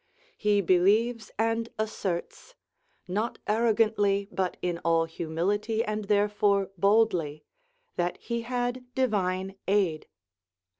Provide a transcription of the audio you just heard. He believes and asserts, "not arrogantly, but in all humility and therefore boldly," that he had divine aid.